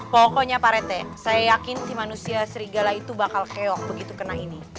pokoknya pak rete saya yakin si manusia serigala itu bakal keok begitu kena ini